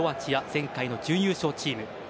前回の準優勝チーム。